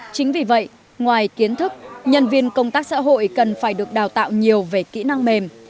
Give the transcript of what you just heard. chính vì vậy ngoài kiến thức nhân viên công tác xã hội cần phải được đào tạo nhiều về kỹ năng mềm